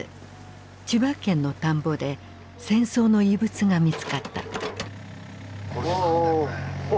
千葉県の田んぼで戦争の遺物が見つかった。